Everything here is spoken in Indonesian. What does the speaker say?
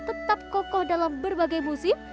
tetap kokoh dalam berbagai musim